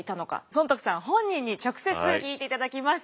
尊徳さん本人に直接聞いていただきます。